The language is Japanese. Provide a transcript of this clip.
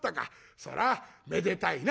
そらぁめでたいな」。